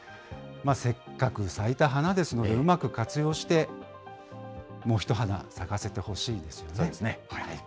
せっかく咲いた花ですので、うまく活用して、もう一花咲かせてほしいですよね。